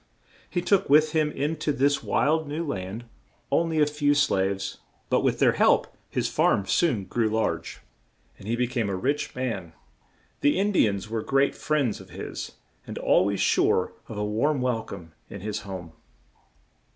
He took with him in to this wild new land on ly a few slaves, but with their help his farm soon grew large, and he be came a rich man. The In di ans were great friends of his, and al ways sure of a warm wel come in his home.